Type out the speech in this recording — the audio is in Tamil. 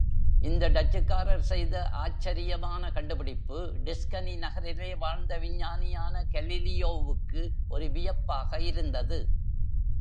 இந்த டச்சுக்காரர் செய்த ஆச்சரியமான கண்டுபிடிப்பு டிஸ்கனி நகரிலே வாழ்ந்த விஞ்ஞானியான கலீலியோவுக்கு ஒரு வியப்பாக இருந்தது.